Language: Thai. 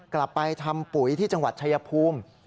กลับไปทำปุ๋ยที่จังหวัดชายภูมิ